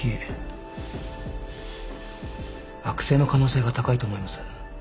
悪性の可能性が高いと思います。